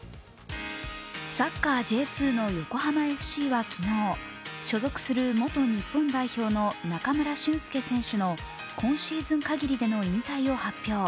サッカーＪ２の横浜ＦＣは昨日所属する元日本代表の中村俊輔選手の今シーズン限りでの引退を発表。